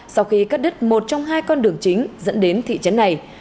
sau khi cắt đứt một trong hai con đường chính dẫn đến thị trấn này